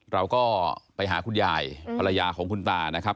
เราก็ไปหาคุณยายภรรยาของคุณตานะครับ